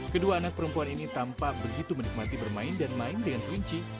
kedua anak perempuan ini tampak begitu menikmati bermain dan main dengan kelinci